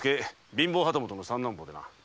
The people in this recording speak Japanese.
貧乏旗本の三男坊でな。